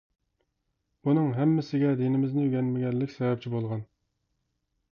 بۇنىڭ ھەممىسىگە دىنىمىزنى ئۆگەنمىگەنلىك سەۋەبچى بولغان.